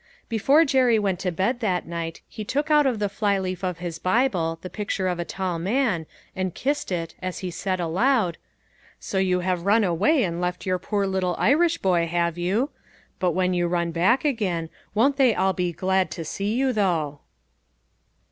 Before Jerry went to bed that night he took out of the fly leaf of his Bible the picture of 178 LITTLE FISHEKS : AND THEIR NETS. a tall man, and kissed it, as he said aloud :" So you have run away and left your poor lit tle Irish boy, have you? But when you run back again, won't they all be glad to see you, though